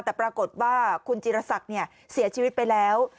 แต่ปรากฏว่าคุณจิรษักเสียชีวิตไปแล้ว